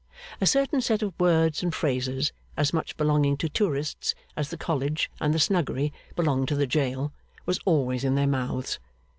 A certain set of words and phrases, as much belonging to tourists as the College and the Snuggery belonged to the jail, was always in their mouths.